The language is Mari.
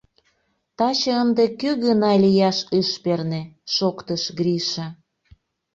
— Таче ынде кӧ гына лияш ыш перне, — шоктыш Гриша.